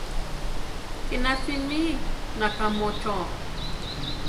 Kiná simí, nakámocho!